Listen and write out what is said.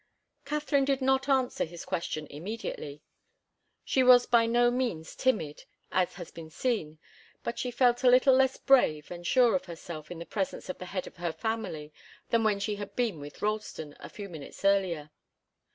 Katharine did not answer his question immediately. She was by no means timid, as has been seen, but she felt a little less brave and sure of herself in the presence of the head of her family than when she had been with Ralston a few minutes earlier.